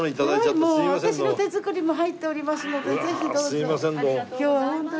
私の手作りも入っておりますのでぜひどうぞ。